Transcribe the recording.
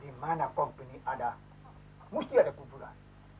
di mana komponi ada mesti ada kuburan